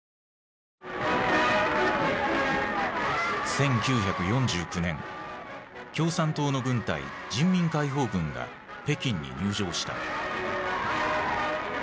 １９４９年共産党の軍隊・人民解放軍が北京に入城した。